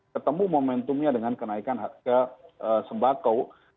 ketemu momentumnya dengan kenaikan harga sembako